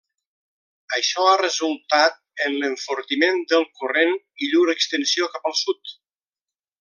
Això ha resultat en l'enfortiment del corrent i llur extensió cap al sud.